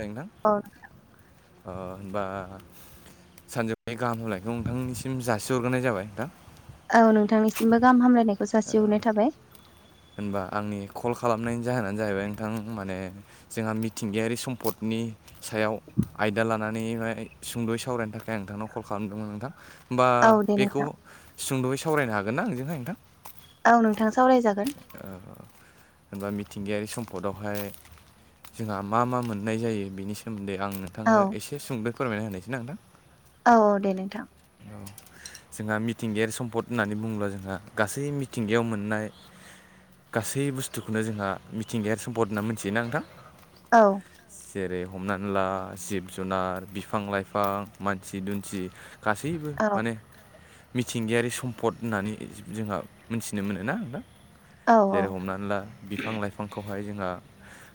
नोंथां औ अह होनबा सानजौफुनि गाहाम हलायखौ नोंथांनिसिम जासिहरग्रोनाय जाबाय नोंथां औ नोंथांनिसिमबो गाहाम हामलायनायखौ जासि हरनाय थाबाय होनबा आंनि कल खालामनायनि जाहोनानो जाहैबाय नोंथां माने जोंहा मिथिंगायारि सम्पदनि सायाव आयदा लानानैहाय सुंद'यै सावरायनो थाखाय आं नोंथांनाव कल खालामदोंमोन नोंथां होमबा औ दे बेखौ नोंथां सुंद'यै सावरायनो हागोन ना नोंजोंहाय नोंथां औ नोंथां सावरायजागोन ओह होनबा मिथिंगायारि सम्पदावहाय जोंहा मा मा मोननाय जायो बेनि सोमोन्दै आं नों औ नोंथांनो एसे सुंद फोरमायना होनोसै ना नोंथां औ दे नोंथां औ जोंहा मिथिंगायारि सम्पद होननानै बुङोब्ला जोंहा गासै मिथिंगायाव मोननाय गासै बुस्थुखौनो जोंहा मिथिंगायारि सम्पद होनना मिथियोना नोंथां औ जेरै हमनाननै ला जिब जुनार बिफां लाइफां मानसि दुन्सि गासैबो औ माने मिथिंगायारि सम्पद होननानै जोंहा मिथिनो मोनोना नोंथां औ जेरै हमनान ला बिफां लाइफांखौहाय जोंहा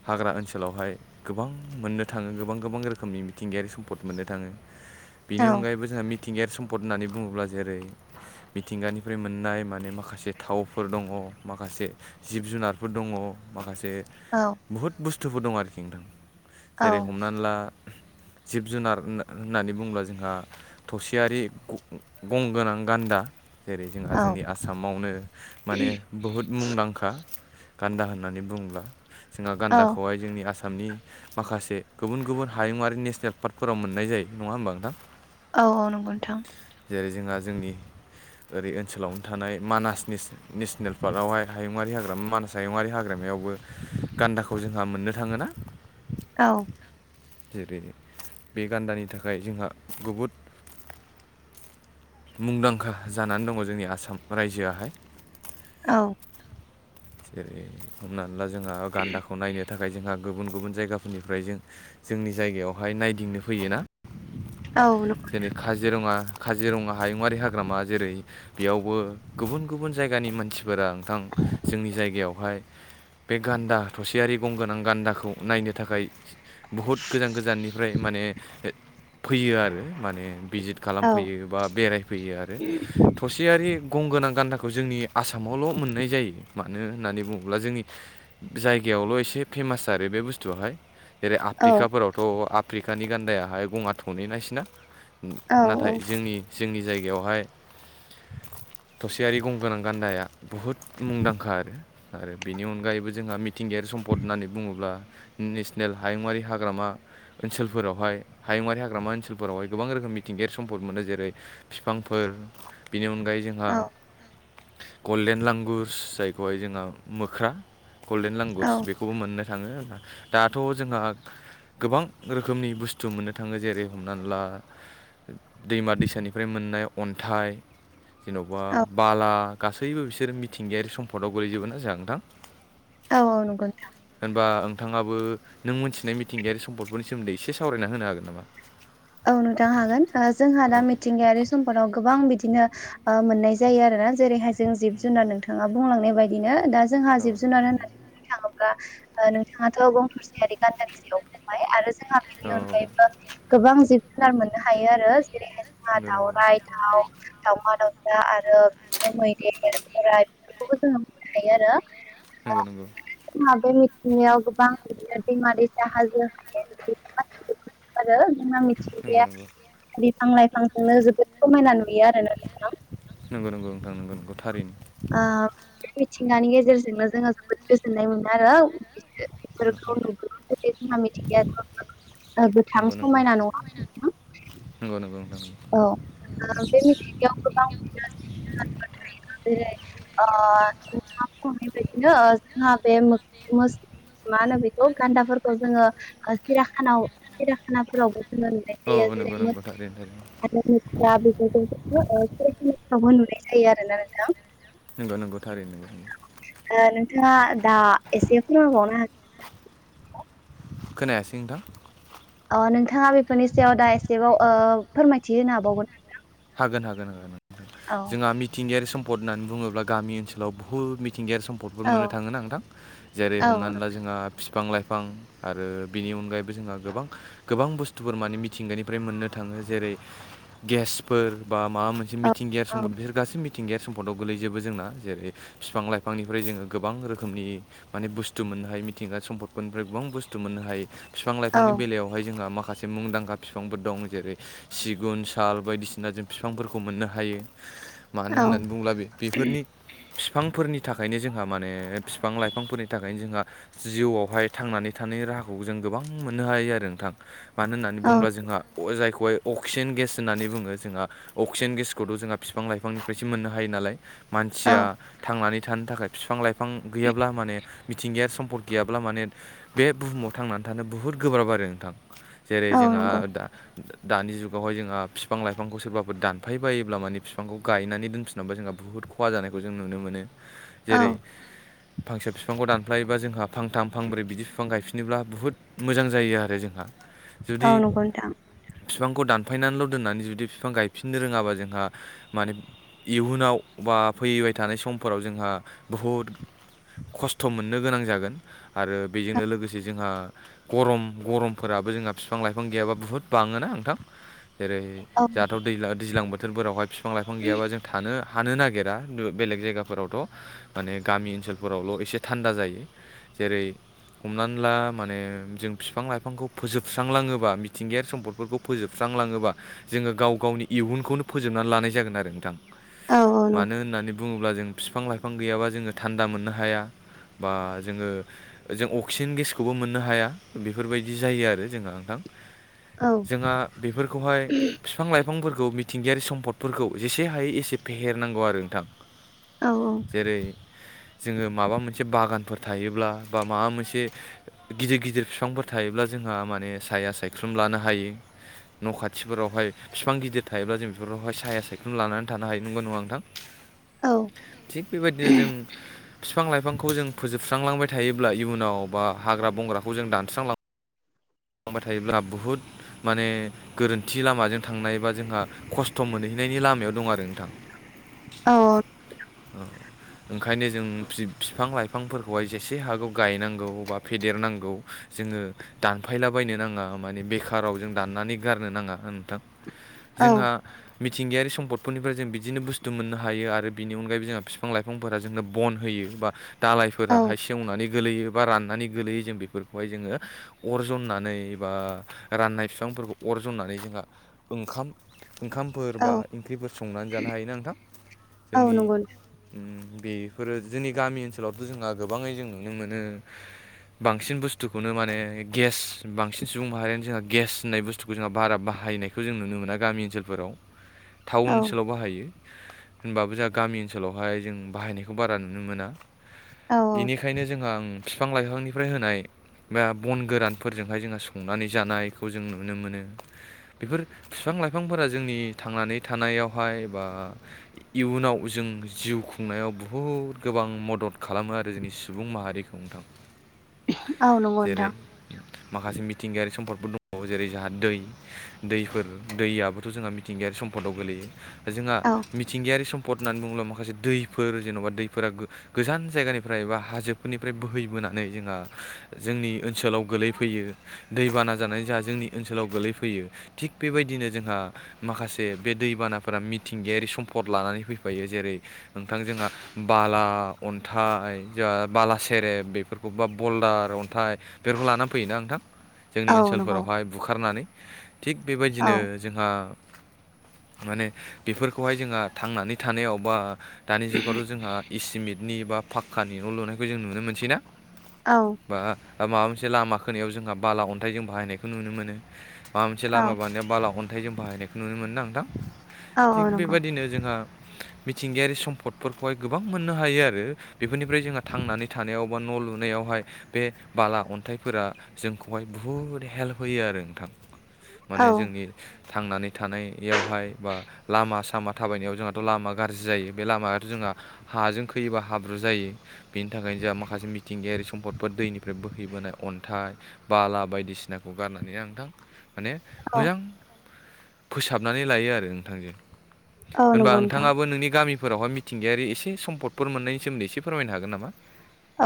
हाग्रा ओनसोलावहाय गोबां मोननो थाङो गोबां गोबां रोखोमनि मिथिंगायारि सम्पद मोननो थाङो औ बेनि अनगायैबो जोंहा मिथिंगायारि सम्पद होननानै बुङोब्ला जेरै मिथिंगानिफ्राय मोननाय माने माखासे थावफोर दङ माखासे जिब जुनारफोर दङ माखासे औ बुहुत बुस्थुफोर दं आरोखि नोंथां जेरै हमनान ला जिब जुनार होन होननानै बुङोब्ला जोंहा थसेयारि गंगोनां गान्दा जेरै जोंहा औ जोंनि आसामावनो माने बुहुद मुंदांखा गान्दा होननानै बुङोब्ला जोंहा औ गान्दाखौहाय जोंनि आसामनि माखासे गुबुन गुबुन हायुङारि नेसनेल पार्कफोराव मोननाय जायो नङा होनबा नोंथां औ औ नंगौ नोंथां जेरै जोंहा जोंनि ओरै ओनसोलावनो थानाय मानासनिस नेसनेल फार्गगावहाय हायुङारि हाग्रामा मानास हायुङरारि हाग्रामायावबो गान्दाखौ जोंहा मोननो थाङोना [inaudible] औ जेरै बे गान्दानि थाखाय जोंहा गुबहुद मुंदांखा जानानै दङ जोंनि आसाम रायजोआहाय औ जेरै हमनानै ला जोंहा गान्दाखौ नायनो थाखाय जोंहा गुबुन गुबुन जायगाफोरनिफ्राय जों जोंनि जायगायावहाय नायदिंनो फैयोना औ नोंगौ जेरै काजिरङा काजिरङा हायुङारि हाग्रामा जेरै बेयावबो गुबुन गुबुन जायगानि मानसिफोरा नोंथां जोंनि जायगायाव बेवहाय बे गान्दा थसेयारि गंगोनां गान्दाखौ नायनो थाखाय बहुत गोजान गोजाननिफ्राय माने फैयो आरो माने भिजिट औ खालामफैयो बा बेरायफैयो आरो थसेयारि गंगोनां गान्दाखौ जोंनि आसाम आसामावल' मोननाय जायो मानो होननानै बुङोब्ला जोंनि जायगायावल' एसे फेमास आरो बे बुस्थुवाहाय मि- जेरै औ आफ्रिकाफोरावथ' आफ्रिकानि गान्दायाहाय गङा थनै ना बिसिना औ नाथाय जोंनि जोंनि जायगायावहाय थसेयारि गंगोनां गान्दाया बुहुद मुंदांखा आरो आरो बेनि अनगायैबो जोंहा थिंगायारि सम्पद होननानै बुङोब्ला नेसनेल हायुङारि हाग्रामा ओनसोलफोरावहाय हायुङारि हाग्रामा ओनसोलफोरावहाय गोबां रोखोम मिथिंगायारि सम्पद मोनो जेरै बिफांफोर बेनि अनगायै जोंहा गल्डेन लांगुरस जायखौहाय जोंहा मोख्रा गल्डेन लांगुरस बेखौ खौबो मोननो थाङो दाथ' जोंहा गोबां रोखोमनि बुस्थु मोननो थाङो जेरै हमनान ला दैमा दैसानिफ्राय मोननाय अन्थाइ जेन'बा औ बाला गासैबो बिसोर मिथिंगायारि सम्पदाव गोलैजोबोना जोंहा नोंथां औ औ नंगौ होनबा ओंथाङाबो नों मोनथिनाय मिथिंगायारि सम्प दफोरनि सोमोन्दै एसे सावरायना होनो हागोन नामा? औ नोंथां हागोन ओ जोंहा औ दा मिथिंगायारि सम्पदआव गोबां बिदिनो ओ मोननाय जायो आरो ना जेरैहाय जों जिब जुनार नोंथाङा बुंलांनाय बायदिनो दा जो जोंहा औ जिब नंगौ जुनार होननानै बुंनो थाङोब्ला ओ नोंथाङाथ' गं थसेयारि गान्दानि सायाव फबाय आरो जो जोंहा बेनि अनगायैबो गोबां जिबफ्रा मोननो हायो आरो जेरैहाय मा नंगौ औ नंगौ दावराय दाव दावमा दाउ दा आरो बिदिनो मैदेर बोराइ बेफोरखौबो जोङो मोननो हायो आरो नंगौ नंगौ जोंहा बे मिथिंगायाव गोबां बिदिनो दैमा दैसा हाजो हायेन आरो जोंना नंगौ मिथिंगाया नंगौ बिफां लाइफांजोंनो जोबोद समायना नुयो आरो ना नंगौ नंगौ नोंथां नंगौ नंगौ थारैनो ओ बे मिथिंगानि गेजेरजोंनो जोङो जोबोद गोजोननाय मोनो आरो ओ बेफोरखौ नुल्बा जाथे जोंहा मिथिंगाथ' गोथां नंगौ नंगौ समायना नङा नंगौ नंगौ नोंथां औ ओ बे मिथिंगायाव गोबां थायो जेरै ओ नो जोंहा ओ बे मोग मोस मा होनो बेखौ गान्दाफोरखौ जोङो ओ सिराखानाव सिराखानाफोरावबो जोङो नुनाय औ नंगौ नंगौ थारैनो ारा ओ नुनाय जायो आरोना नोंथां नंगौ नंगौ थारै नोंगौ ओ नोंथाङा दा एसे फोरमायबावनो हागोन खोनायासै नोंथां अ नोंथाङा बेफोरनि सायाव दा एसेबाव ओ फोरमायथि होनो हाबावगोन नोंथां हागोन हागोन ओ जोंहा मि मिथिंगायारि सम्पद होनानै बुङोब्ला गामि ओनसोलाव बुहुद मिथिंगायारि सम्प भटफोर औ मोननो थाङो ना नोंथां जेरै औ हमनानै ला जोंहा फिफां लाइफां आरो बिनि अनगायैबो जोंहा गोबां गोबां बुस्थुफोर माने मिथिंगानिफ्राय मोननो थाङो जेरै गेस फोर बा माबा मोनसे मिथिंगायारि सम्पद बिसोर गासै मिथिंगायारि सम्पदआव गोलैजोबो जोंना जेरै फिफां लाइफांनिफ्राय जोङो गोबां रोखोमनि माने बुस्थु मोननो हायो मिथिंगा सम्पदफोरनिफ्राय गोबां बुस्थु मोननो हायो बिफां औ लाइफांनि बेलायाव हाय जोंहा माखासे मुंदांखा फिफांफोर दं जेरै सिगुन साल बायदिसि ना जों फिफांफोरखौ मोननो हायो मानो औ होननानै बुङोब्ला बे बेफोरनि फिफांफोरनि थाखायनो जोंहा माने फिफां लाइफांफोरनि थाखायनो जोंहा जिउआवहाय थांनानै थानायनि राहाखौ जों गोबां मोननो हायो आरो नोंथां मानो होननानैबुंब्ला जोंहा अ जायखौहाय अक्सिजेन गेस होन्नानै बुङो जोंहा अक्सिजेन गेसखौथ' जोंहा फिफां लाइफांनिफ्रायसो मोननो हायो नालाय औ मानसिया थांनानै थानो थाखाय फिफां लाइ फां गैयाब्ला माने मिथिंगायार सम्पद गैयाब्ला माने बे बुहुमाव थांनानै थानो बुहुद गोब्राब आरो नोंथां जेरै औ जोंहा नंगौ दा दानि जुगावहाय जोंहा फिफां लाइ बिफांखौ सोरबाफोर दानफाय बायोब्ला माने बिफांखौ गायनानै दोनफिनब जोंहा बुहुत खहा जानायखौ जों नुनो मोनो औ जेरै फांसे फिफांखौ दानफायोबा जोंहा फांथां फांब्रै बिदि फिफां गायफिनोब्ला बुहुत मोजां जायो आरो जोंहा जुदि औ नंगौ नोंथां फिफांखौ दानफायनानैल' दोननानै जुदि फिफां गायफिननो रोङाबा जोंहा माने इयुनाव बा फैबाय थानाय समफोराव जोंहा बहुद खस्थ' मोननो गोनां जागोन आरो बेजोंनो लोगोसे जोंहा गरम गरमफोराबो जोंहा फिफां लाइफां गैयाबा बुहुद बाङोना नोंथां जेरै औ जाहाथ' दै दैज्लां बोथोरफोरावहाय बिफां लाइफां गैयाबा जों थानो हानो नागिरा बेलेग जायगाफोरावथ' माने गामि ओनसोलफोरावल' एसे थान्दा जायो जेरै हमनानै ला माने जों बिफां लाइफांखौ फोजोबस्रांलाङोबा मिथिंगायारि सम्पदफोरखौ फोजोबस्रांलाङोबा जोङो गाव गावनि इहुनखौनो फोजोबनानै लानाय जागोन आरो नोंथां औ नंगौ मानो होननानै बुङोब्ला जों बिफां लाइफां गैयाबा जोङो थान्दा मोननो हाया बा जोङो जों अक्सिजेन गेसखौबो मोननो हाया बेफोरबायदि जायो आरो जोंहा नोंथां औ जोंहा बेफोरखौहाय बिफां लाइफांफोरखौ मिथिंगायारि सम्दफोरखौ जेसे हायो एसे फेहेरनांगौ आरो नोंथां औ औ जेरै जोङो माबा मोनसे बागानफोर थायोब्ला बा माबा मोनसे गिदिर गिदिर फिफांफोर थायोब्ला जोंहा माने साया सायख्लुम लानो हायो न' खाथि मानथिफोरावहाय बिफां गिदिर थायोब्ला जों बेफोरावहाय साया सायख्ल लानानै थानो हायो नंगौ नङा नोंथां थिग बेबायदिनो जों फिफां लाइफांखौ जों फोजोब- सुस्रांबाय थायोब्ला इयुनाव बा हाग्रा बंग्राखौ जों दानस्रांलां ांबाय थायोब्ला बुहुत माने गोरोन्थि लामाजों थांनाय बा जोंहा खस्थ' मोनहैनायनि लामायाव दं आरो नोंथां [inaudible] औ औ ओंखायनो जों बििफां लाइफांफोरखौहाय जेसे हागौ गायनांगौ बा फेदेरनांगौ जोङो दा थफायला बायनो नाङा मानिे बेखाराव जों दाननानै गारनो नाङा नोंथां औ जोंहा मिथिंगायारि सम्पदफोरनिफ्राय जों बिदिनो बुस्थु मोननो हायो आरो बिनि अनगायैबो जोंहा बिफां लाइफांफोरा जोंनो बन होयो बा दालायफोराहाय औ सेवनानै गोगलैयो बा राननानै गोलैयो जों बेफोरखौहाय जोङो अर जननानै बा राननाय बिफांफोरखौ अर जन्नानै जोंहा ओंखाम ओंखाम फोर बा ओंख्रिफोर संनानै जानो हायोना नोंथां औ जोंनि नंगौ उम बेफोरो जोंनि गामि ओनसोलावथ' जोंहा गोबाङै जों नुनो मोनो बांसिन बुस्थुखौनो माने गेस बांसिन सुबुं माहारियानो जोंहा गेस होननाय बुस्थुखौ जोंहा बारा बाहायनायखौ जों नुनो मोना गामि ओनसोलफोराव [inaudible] औ टाउन औ ओनसोलाव बाहायो होनबाबो जोंहा गामि ओनसोलावहाय जों बाहायनायखौ बारा नुनो मोना औ बेनिखायनो जोंहा आं बिफां लाइफांनिफ्राय होनाय बा बन गोरानफोरजोंहाय जोंहा संनानै जानायखौ जों नुनो मोनो बेफोर बिफां लाइफांफोरा जोंनि थांनानै थानायावहाय बा इयुनाव जों जिउ खुंनायाव बहुद गोबां मदद खालामो आरो जोंनि सुबुं माहारिखौ संथाम आ नं ग जेरै माखासे मिथिंगायारि सम्पदफोर दङ जेरै जोंहा दै दैफोर दैयाबोथ' जोंहा मिथिंगायारि सम्पदाव गोल्लैयो जोंहा औ थथिंगायारि सम्द होननानै बुङोब्ला माखासे दैफोर जेन'बा दैफोरा गो- गोजान जायगानिफ्राय बा हाजोफोरनिफ्राय बोहैबोनानै जोंहा जोंनि ओनसोलाव गोलैफैयो दैबाना जानाय जोंहा जोंनि ओनसोलाव गोलैफैयो थिग बेबायदिनो जोंहा माखासे बे दैबानाफोरा मिथिंगायारि सम्पद लानानै फैफायो जेरै नोंथां जोंहा बाला अन्थाइ जा बाला सेरेब बेफोरखौ बा बल्दारथ नाथाय बेफोरखौ लानानानै फैयोना नोंथां जोंनि औ नंगौ ओनसोलफोरावहाय बुखारनानै थिग औ बेबायदिनो जोंहा माने बेफोरखौहाय जोंहा थांनानै थानायाव बा दानि जुगावथ' जोंहा इसिमेटनि बा फाक्कानि न' लुनायखौ जों नुनो मोनसैना। औ बा माबा मोनसे लामा खोनायाव जोंहा बाला अन्थाइ जों बाहायनायखौ नुनो मोनो माबा मोनसे लामा औ बानायाव बाला अन्थाइ जों बाहायनायखौ नुनो मोनो ना नोंथां थिग औ नंगौ बेबायदिनो जोंहा मिथिंगायारि सम्पदफोरखौहाय गोबां मोननो हायो आरो। बेफोरनिफ्राय जोंहा थांनानै थानायाव बा न' लुनायावहाय बे बाला अन्थाइफोरा जोंखौहाय बुहुद हेल्प होयो आरो नोंथां। माने औ जोंनि थांनानै थानायावहाय बा लामा सामा थाबायनायाव जोंहाथ' लामा गाज्रि जायो बे लामायाथ' जोंहा हाजों खैयोबा हाब्रु जायो बेनि थाखायनो जोंहा माखासे मिथिंगायारि सम्पद दैनिफ्राय बोहैबोनाय अन्थाइ बाला बायदिसिनाखौ गारनानै आं नोंथां माने औ मोजां फोसाबनानै लायो आरो नोंथां जों। औ होनबा नंगौ नोंथां नोंथाङाबो नोंनि गामिफोरावहाय मिथिंगायारि एसे सम्दफोर मोननायनि सोमोन्दै इसे फोरमायनो हागोन नामा।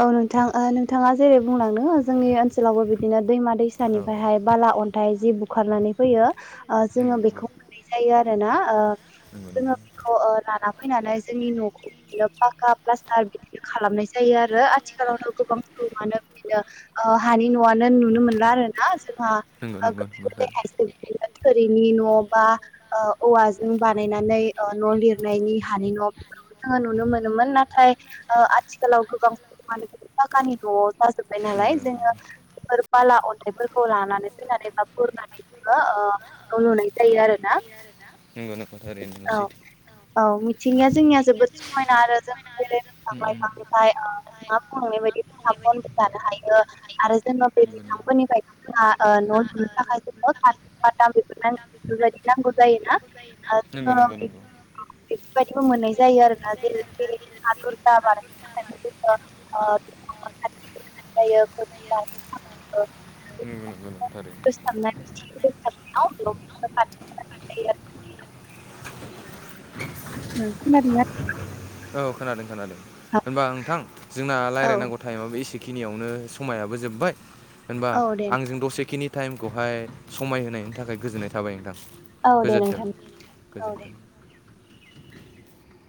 औ नोंथां ओ नोंथाङा जेरै बुंलांदों जोंनि ओनसोलावबो बिदिनो दैमा दैसा औ सानिफ्रायहाय बाला अन्थाइ जि बुखारनानै फैयो ओ जोङो नंगौ नंगौ बेखौ जायो आरो ना ओ नंगौ जोङो बिखौ ओ लाना फैनानै जोंनि न'खौ बिदिनो पाक्का प्लास्टार बिदिनो खालामनाय जायो आरो। आरो आथिखालावथ' गोबां सम मानो बिदिनो ओ हानि न'आनो नुनो मोनला आरोना जोंहा नंगौ नंगौ नंगौ सार [unintelligible] थोरिनि न' बा ओ औवाजों बानायनानै ओ न' लिरनायनि हानि न' जोंङो नुनो मोनोमोन नाथाय ओ आथिखालाव गोबां [unintelligible] फाखानि न' जाजोबबाय नंगौ नालाय जोङो बेफोर बाला अन्थाइफोरखौ लानानै फैनानै एबा बुरनानै [unintelligible] जायो आरोना। नंगौ नोंथां थारैनो औ सैथो। औ मिथिंगाया जोंनिया जोबोद समायना आरो जों [unintelligible] [unintelligible] [unintelligible] [unintelligible] बायदि हायो आरो जेनबा बे बिफांफोरनिफ्राय बा ओ न' लुनो थाखाय [unintelligible] [unintelligible] बेफोरबायदि नांगौ जायो। नांगौ जायोना नंगौ नंगौ नंगौ। बेफोरबायदिबो मोननाय जायो आरो ना जेरै [unintelligible] ओ [unintelligible] थाखाय नंगौ नंगौ नंगौ थारै। [unintelligible] [unintelligible] गोनांथि जायो आरो। [unintelligible] [unintelligible] औ खोनादों- खोनादों नोंथां होनबा नोंथां जोंना औ रायलायनांगौ टाइमाबो एसेखिनियावनो समायाबो जोबबाय होनबा औ दे आंजों दसेखिनि टाइमखौहाय समायहोनायनि थाखाय गोजोननाय थाबाय नोंथां। औ दे गोजोन्थों नोंथां औ दे। गोजोन्थों